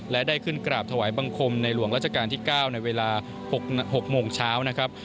และได้ขึ้นกราบถวายบังคมในหลวงราชการที่๙ในเวลา๖โมงเช้านะครับ